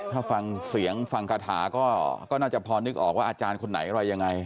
ถ้าฟังเสียงฟังคาถาก็น่าจะพอนึกออกว่าอาจารย์คนไหนอะไรยังไง